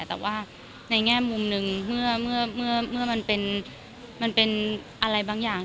แต่ว่าในแง่มุมหนึ่งเมื่อมันเป็นอะไรบางอย่าง